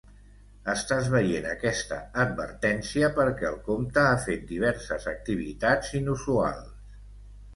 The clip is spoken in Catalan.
Estàs veient aquesta advertència perquè el compte ha fet diverses activitats inusuals.